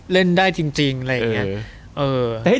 เล่นได้จริงอะไรอย่างนี้